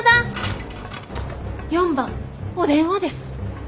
４番お電話です。